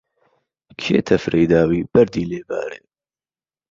کێ تهفرهی داوی بهردی لێ بارێ